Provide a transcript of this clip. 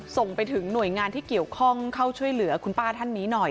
ส่งไปถึงหน่วยงานที่เกี่ยวข้องเข้าช่วยเหลือคุณป้าท่านนี้หน่อย